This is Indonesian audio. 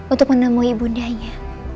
untuk menemui ibu ndanya